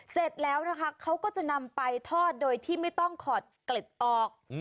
เสร็จแล้วนะคะเขาก็จะนำไปทอดโดยที่ไม่ต้องขอดเกล็ดออก